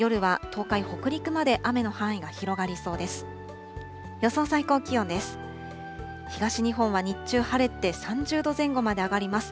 東日本は日中晴れて、３０度前後まで上がります。